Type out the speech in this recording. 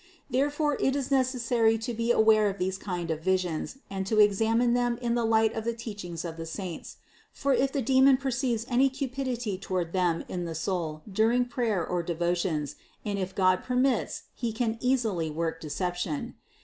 Therefore it is necessary to be ware of these kind of visions and to examine them in the light of the teachings of the saints; for if the demon perceives any cupidity toward them in the soul during prayer or devotions, and if God permits, he can easily work deception.